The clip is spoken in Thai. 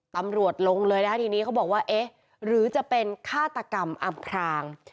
ตำรวจลงเลยนะคะทีนี้เขาบอกว่าเอ๊ะหรือจะเป็นฆาตกรรมอำพราง